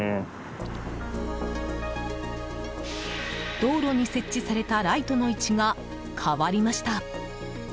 道路に設置されたライトの位置が変わりました。